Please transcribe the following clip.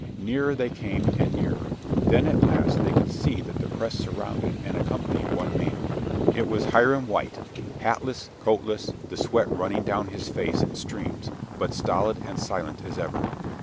Nearer they came, and nearer; then at last they could see that the press surrounded and accompanied one man. It was Hiram White, hatless, coatless, the sweat running down his face in streams, but stolid and silent as ever.